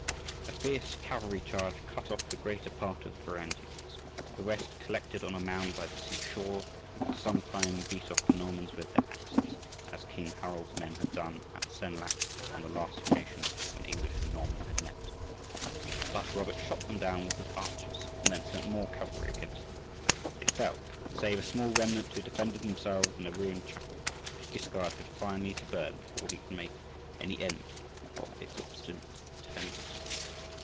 A fierce cavalry charge cut off the greater part of the Varangians; the rest collected on a mound by the sea shore, and for some time beat off the Normans with their axes, as King Harold's men had done at Senlac on the last occasion when English and Norman had met. But Robert shot them down with his archers, and then sent more cavalry against them. They fell, save a small remnant who defended themselves in a ruined chapel, which Guiscard had finally to burn before he could make an end of its obstinate defenders.